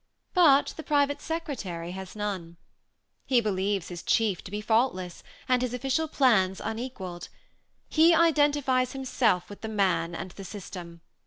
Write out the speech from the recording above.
But the private secretary has none. He believes his chief to be faultless, and his ofiicial plans to be unequalled. He identifies himself with the man and the system.